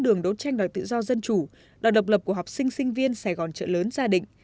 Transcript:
đường đấu tranh đòi tự do dân chủ đòi độc lập của học sinh sinh viên sài gòn trợ lớn gia đình